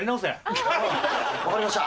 分かりました。